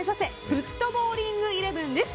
フットボウリングイレブン！です。